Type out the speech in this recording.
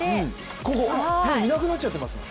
ここ、いなくなっちゃってますもん。